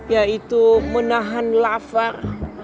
yaitu menahan lafar